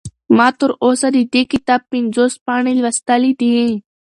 ما تر اوسه د دې کتاب پنځوس پاڼې لوستلي دي.